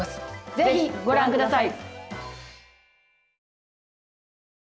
ぜひご覧下さい。